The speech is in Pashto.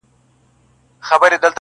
• زه پاچا یم د ځنګله د ښکرورو -